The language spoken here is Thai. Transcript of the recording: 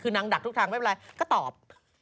คือนางดักทุกทางไม่เป็นไรก็ตอบ